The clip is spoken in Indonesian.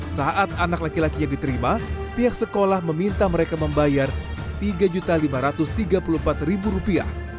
saat anak laki lakinya diterima pihak sekolah meminta mereka membayar rp tiga lima ratus tiga puluh empat rupiah